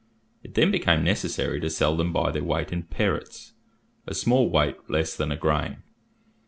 It then became necessary to sell them by their weight in perits, a small weight less than a grain.